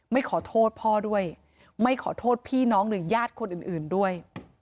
ไม่ขอโทษพ่อด้วยไม่ขอโทษพี่น้องหรือญาติคนอื่นด้วย